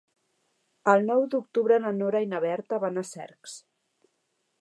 El nou d'octubre na Nora i na Berta van a Cercs.